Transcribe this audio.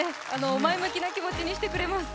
前向きな気持ちにしてくれます。